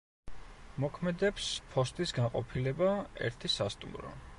მოქმედებს ფოსტის განყოფილება, ერთი სასტუმრო.